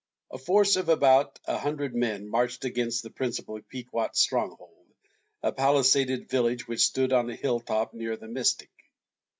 A force of about a hundred men marched against the principal Pequot stronghold, a palisaded village which stood on a hilltop near the Mystic.